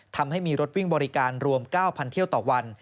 ทำให้มีรถวิ่งบริการรวม๙๐๐เที่ยวต่อวัน